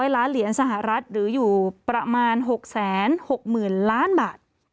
ล้านเหรียญสหรัฐหรืออยู่ประมาณ๖๖๐๐๐ล้านบาท